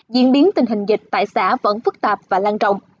diễn biến tình hình dịch tại xã vẫn phức tạp và lan trọng